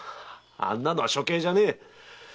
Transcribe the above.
あんなのは処刑じゃねえ！